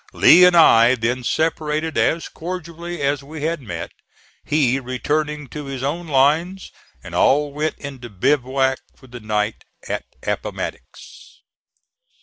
Lee and I then separated as cordially as we had met, he returning to his own lines, and all went into bivouac for the night at Appomattox.